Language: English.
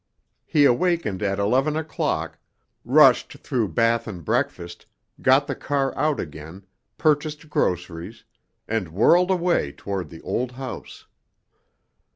He awakened at eleven o'clock, rushed through bath and breakfast, got the car out again, purchased groceries, and whirled away toward the old house.